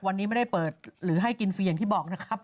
วันนี้ไม่ได้เปิดหรือให้กินฟรีอย่างที่บอกนะครับ